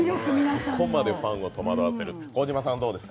ここまでファンを戸惑わせる。